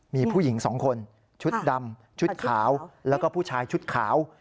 มีผู้หญิงสองคนชุดดำชุดขาวแล้วก็ผู้ชายชุดขาว